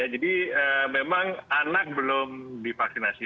jadi memang anak belum divaksinasi